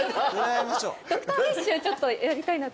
ドクターフィッシュちょっとやりたいなと思って。